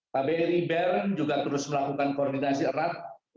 kbri bern juga terus melakukan koordinasi erat